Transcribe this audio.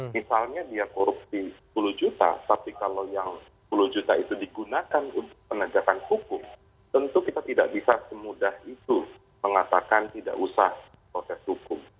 misalnya dia korupsi sepuluh juta tapi kalau yang sepuluh juta itu digunakan untuk penegakan hukum tentu kita tidak bisa semudah itu mengatakan tidak usah proses hukum